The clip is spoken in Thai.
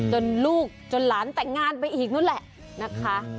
จนลูกจนหลานแต่งงานไปอีกนู้นแหละนะคะ